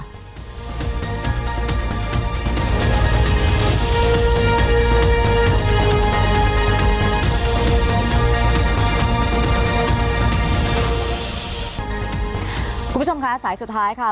คุณผู้ชมคะสายสุดท้ายค่ะ